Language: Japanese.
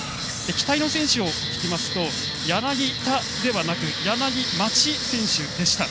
期待の選手と聞きますと柳田ではなく、柳町選手でした。